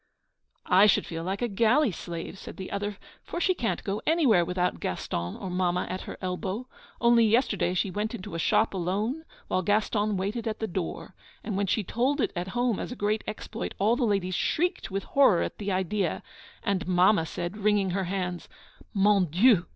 'I should feel like a galley slave,' said the other. 'For she can't go anywhere without Gaston or Mamma at her elbow. Only yesterday she went into a shop alone, while Gaston waited at the door. And when she told it at home as a great exploit all the ladies shrieked with horror at the idea, and Mamma said, wringing her hands: "_Mon Dieu!